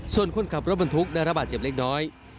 ส่วนคนขับรถบรรทุกได้ระบาดเจ็บเล็กน้อย